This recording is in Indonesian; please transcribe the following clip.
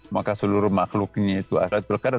maka seluruh makhluknya itu laylatul qadar